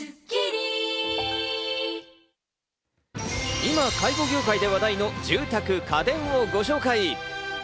今、介護業界で話題の住宅・家電をご紹介。